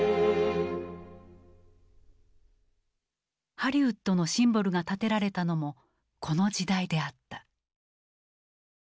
ハリウッドのシンボルが建てられたのもこの時代であった。